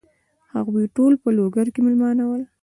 هغوی ټول په لوګر کې مېلمانه ول.